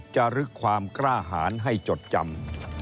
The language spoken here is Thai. จะลึกความกล้าหารให้จดจำ